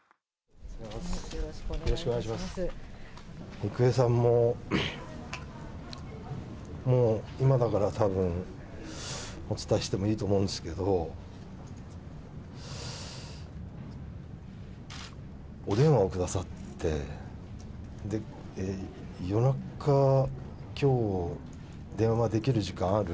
郁恵さんも、もう今だからたぶん、お伝えしてもいいと思うんですけど、お電話をくださって、夜中、きょう電話ができる時間ある？